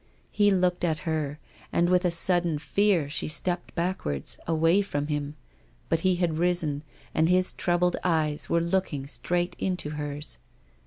He looked at her, and with a sudden fear she stepped backward, away from him, but he had risen, and his troubled eyes were looking straight into hers.